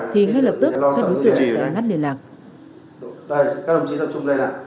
thì ngay lập tức các đối tượng chỉ ngắt liên lạc